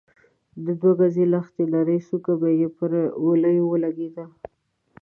د دوه ګزۍ لښتې نرۍ څوکه به يې پر وليو ولګېده.